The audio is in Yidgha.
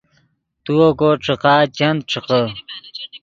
تو اوکو ݯیقا چند ݯیقے